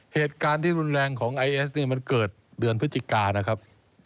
เหตุการณ์ที่รุนแรงของไอเอสเนี่ยมันเกิดเดือนพฤศจิกานะครับ